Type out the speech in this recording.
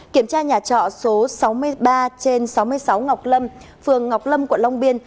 kiểm tra nhà trọ số sáu mươi ba trên sáu mươi sáu ngọc lâm phường ngọc lâm quận long biên